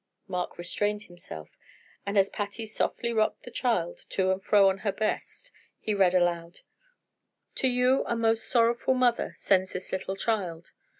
'" Mark restrained himself, and as Patty softly rocked the child to and fro on her breast, he read aloud: "To you a most sorrowful mother sends this little child.